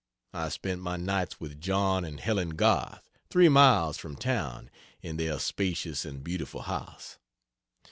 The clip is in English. I spent my nights with John and Helen Garth, three miles from town, in their spacious and beautiful house.